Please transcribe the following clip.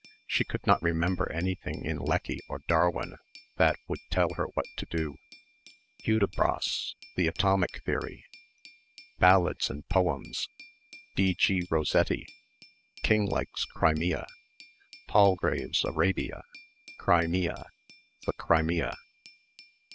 She could not remember anything in Lecky or Darwin that would tell her what to do ... Hudibras ... The Atomic Theory ... Ballads and Poems, D. G. Rossetti ... Kinglake's Crimea ... Palgrave's Arabia ... Crimea.... The Crimea....